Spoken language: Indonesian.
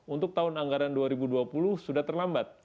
untuk tahun anggaran dua ribu dua puluh sudah terlambat